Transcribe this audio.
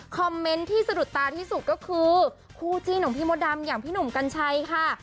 เมนต์ที่สะดุดตาที่สุดก็คือคู่จิ้นของพี่มดดำอย่างพี่หนุ่มกัญชัยค่ะ